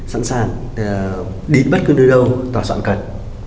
sẵn sàng đi bất cứ nơi đâu tòa soạn cần